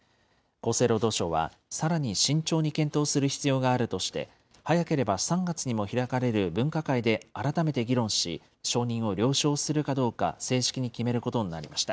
厚生労働省は、さらに慎重に検討する必要があるとして、早ければ３月にも開かれる分科会で改めて議論し、承認を了承するかどうか正式に決めることになりました。